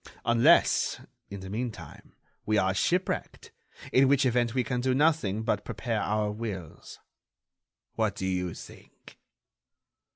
Unless, in the meantime, we are shipwrecked, in which event we can do nothing but prepare our wills. What do you think?"